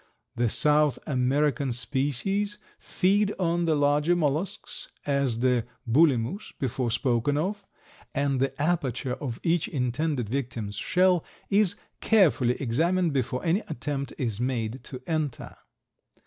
The South American species feed on the larger mollusks, as the Bulimus before spoken of, and the aperture of each intended victim's shell is carefully examined before any attempt is made to enter.